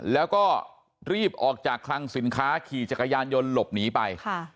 แล้วก็รีบออกจากคลังสินค้าขี่จักรยานยนต์หลบหนีไป